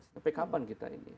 sampai kapan kita ini